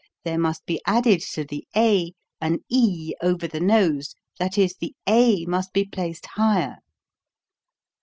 There must be added to the a an e over the nose, that is, the a must be placed higher.